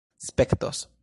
spektos